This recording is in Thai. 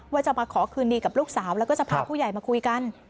ว่าจะมาขอคืนดีกับลูกสาวแล้วก็จะพาผู้ใหญ่มาคุยกัน